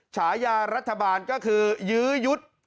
ฉายารัฐบาลก็คือยื้อยุด